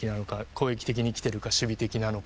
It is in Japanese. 攻撃的に来てるか守備的なのか。